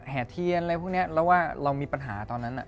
เทียนอะไรพวกนี้แล้วว่าเรามีปัญหาตอนนั้น